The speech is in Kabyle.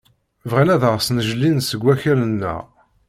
Bɣan ad ɣ-snejlin seg akal-nneɣ.